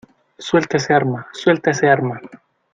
¡ suelta ese arma! ¡ suelta ese arma !